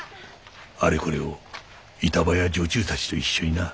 あれこれを板場や女中たちと一緒にな。